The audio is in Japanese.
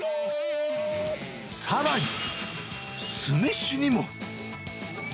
さらに、酢飯にも。